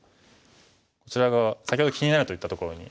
こちら側先ほど気になると言ったところに。